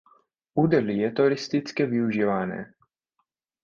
Údolí je turisticky využívané.